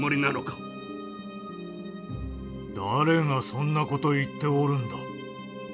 誰がそんなこと言っておるんだ。